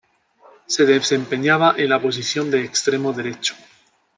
Se desempeñaba en la posición de extremo derecho.